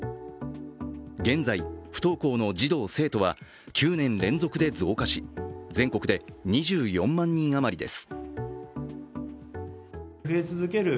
現在、不登校の児童・生徒は９年連続で増加し、全国で２４万人余りです。